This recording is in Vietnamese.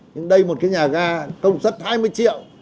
nhưng đây một cái nhà ga công suất hai mươi triệu